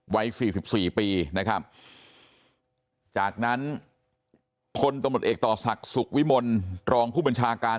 วัย๔๔ปีนะครับจากนั้นพลตำรวจเอกต่อศักดิ์สุขวิมลรองผู้บัญชาการ